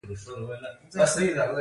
د غنمو زنګ ناروغي څنګه وپیژنم؟